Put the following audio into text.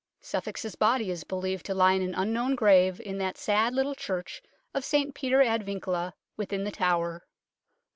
Suffolk's body is believed to lie in an unknown grave in that sad little church of St Peter ad Vincula, within The Tower.